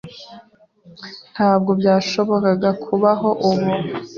"Ntabwo byashobokaga kubaho ubu –